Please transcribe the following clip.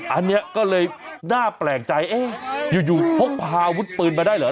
อันนี้ก็เลยน่าแปลกใจเอ๊ะอยู่พกพาอาวุธปืนมาได้เหรอ